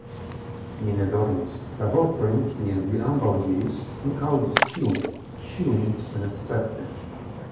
Mi ne dormis; la vortojn, kiujn vi ambaŭ diris, mi aŭdis ĉiujn, ĉiujn senescepte.